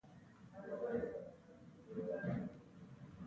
تولیدي وسایلو په ډله ایز ډول وده وکړه.